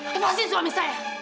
lepas ini suami saya